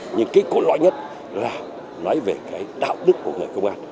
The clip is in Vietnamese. nhưng cái cố loại nhất là nói về cái đạo đức của người công an